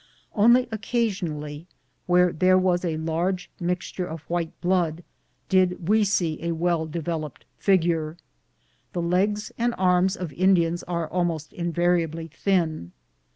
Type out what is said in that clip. Only occasionally, where there was a large mixture of white blood, did we see a well developed figure. The legs and arms of Indians are almost invariably thin.